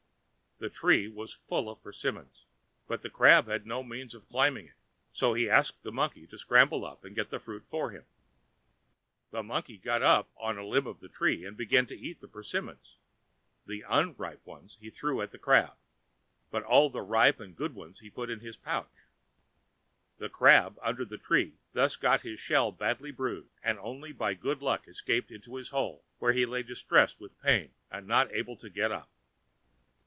The tree was full of persimmons, but the Crab had no means of climbing it, so he asked the Monkey to scramble up and get the fruit for him. The Monkey got up on a limb of the tree and began to eat the persimmons. The unripe ones he threw at the Crab, but all the ripe and good ones he put in his pouch. The Crab under the tree thus got his shell badly bruised, and only by good luck escaped into his hole, where he lay distressed with pain, and not able to get up.